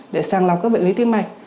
để sàng lọc các bệnh lý tim mạch